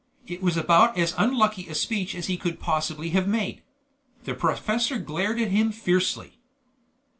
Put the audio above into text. It was about as unlucky a speech as he could possibly have made. The professor glared at him fiercely.